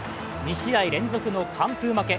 ２試合連続の完封負け。